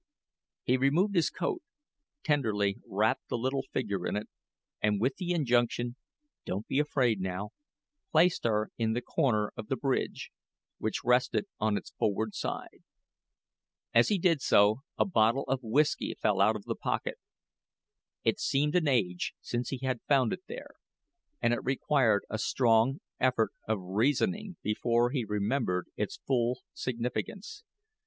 He removed his coat, tenderly wrapped the little figure in it, and with the injunction: "Don't be afraid, now," placed her in the corner of the bridge, which rested on its forward side. As he did so, the bottle of whisky fell out of the pocket. It seemed an age since he had found it there, and it required a strong effort of reasoning before he remembered its full significance.